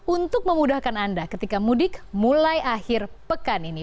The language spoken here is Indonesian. untuk memudahkan anda ketika mudik mulai akhir pekan ini